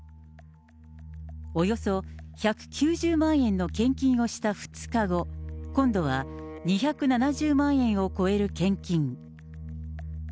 およそ１９０万円の献金をした２日後、今度は２７０万円を超える献金。